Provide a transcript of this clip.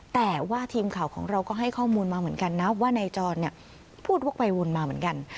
แต่ว่าทีมข่าวของเราก็ให้ข้อมูลมาเหมือนกันนะว่านายจรพูดวกไปวนมาเหมือนกัน